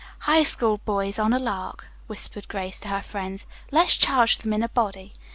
"High School boys, on a lark," whispered Grace to her friends. "Let's charge them in a body."